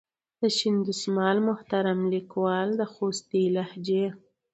د شین دسمال محترم لیکوال د خوستي لهجې.